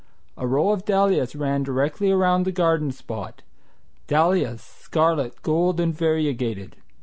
A row of dahlias ran directly around the garden spot, dahlias scarlet, gold, and variegated.